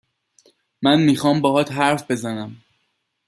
من میخوام باهات حرف بزنم